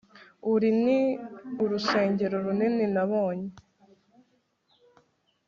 uru ni urusengero runini nabonye